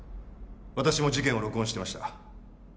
私も事件を録音してました。